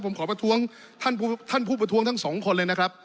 ผมขอประท้วงท่านผู้ประท้วงทั้งสองคนเลยนะครับ